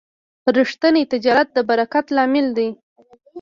ریښتینی تجارت د برکت لامل دی.